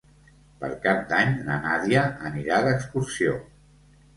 Per Cap d'Any na Nàdia anirà d'excursió.